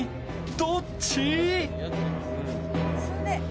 どっち？